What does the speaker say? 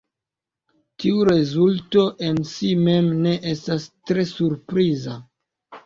Tiu rezulto en si mem ne estas tre surpriza.